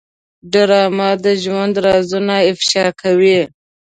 ډرامه د ژوند رازونه افشا کوي